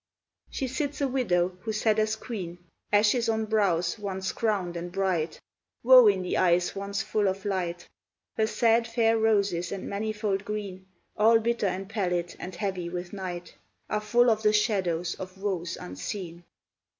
She sits a widow who sat as queen, Ashes on brows once crowned and bright; Woe in the eyes once full of light; Her sad, fair roses and manifold green, All bitter and pallid and heavy with night, Are full of the shadows of woes unseen.